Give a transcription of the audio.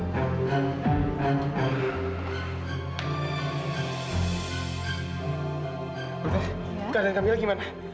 dokter keadaan kamila gimana